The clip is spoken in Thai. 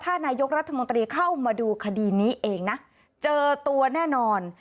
ถ้านายกรัฐมนตรีเข้ามาดูคดีนี้เองนะเจอตัวแน่นอน